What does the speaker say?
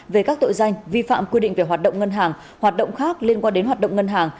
về các tội danh vi phạm quy định về hoạt động ngân hàng hoạt động khác liên quan đến hoạt động ngân hàng